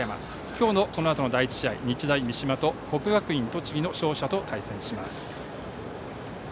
今日の第１試合、日大三島と国学院栃木の勝者と対戦します。